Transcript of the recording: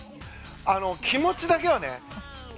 気持ちだけはね。